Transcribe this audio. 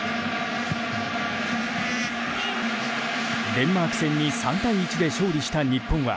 デンマーク戦に３対１で勝利した日本は